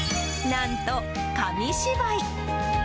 なんと紙芝居。